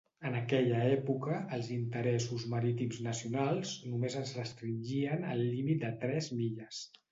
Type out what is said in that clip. En aquella època, els interessos marítims nacionals només es restringien al límit de tres milles.